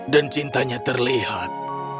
dan cintanya terlihat